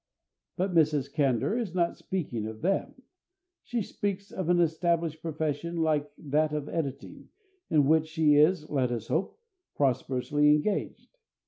But Mrs. Candour is not speaking of them; she speaks of an established profession like that of editing, in which she is, let us hope, prosperously engaged.